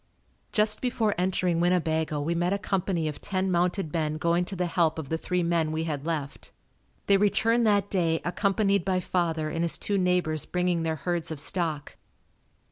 Just before entering Winnebago we met a company of ten mounted men going to the help of the three men we had left. They returned that day accompanied by father and his two neighbors bringing their herds of stock.